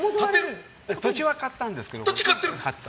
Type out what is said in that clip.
土地は買ったんですけど。